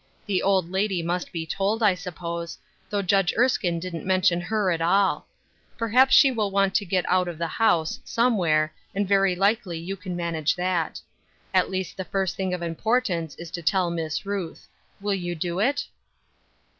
The old lady must be told, I suppose, though Judge Erskine didn't mention hei* at all. Perhaps she will want to get out of the house, somewhere, and very likely you can manage that. At least the first thing of impor tance is to tell Miss Ruth. Will you do it